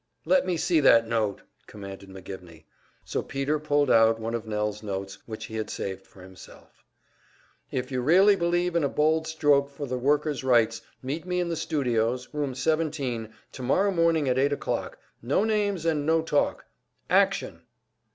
"Let me see that note!" commanded McGivney; so Peter pulled out one of Nell's notes which he had saved for himself: "If you really believe in a bold stroke for the workers' rights, meet me in the studios, Room 17, tomorrow morning at eight o'clock. No names and no talk. Action!"